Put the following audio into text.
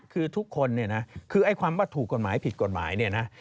คือทุกคนคือไอ้ความว่าถูกกฎหมายผิดกฎหมาย